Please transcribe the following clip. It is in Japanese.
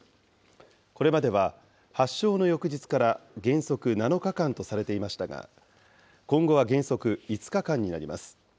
これまでは発症の翌日から原則７日間とされていましたが、今後は原則５日間になります。